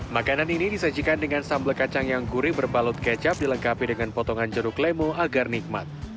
makanan ini disajikan dengan sambal kacang yang gurih berbalut kecap dilengkapi dengan potongan jeruk lemo agar nikmat